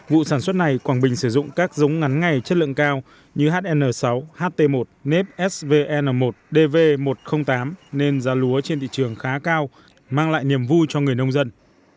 vụ sản xuất này quảng bình sử dụng các giống ngắn ngày chất lượng cao như hn sáu ht một nep svn một dv một trăm linh tám nên giá lúa trên thị trường khá cao mang lại niềm vui cho người nông dân